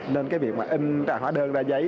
nên cái việc mà in trả hóa đơn ra giấy